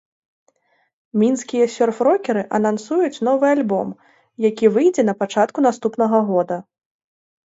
Мінскія сёрф-рокеры анансуюць новы альбом, які выйдзе на пачатку наступнага года.